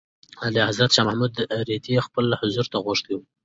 اعلیحضرت شاه محمود رېدی خپل حضور ته غوښتی و.